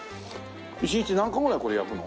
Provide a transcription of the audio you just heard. １日何個ぐらいこれ焼くの？